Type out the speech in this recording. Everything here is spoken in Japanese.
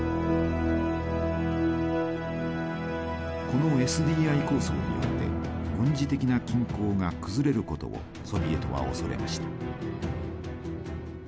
このＳＤＩ構想によって軍事的な均衡が崩れることをソビエトは恐れました。